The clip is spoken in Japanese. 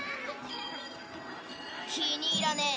気に入らねえ。